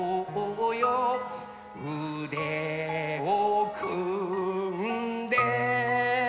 「うでをくんで、、、」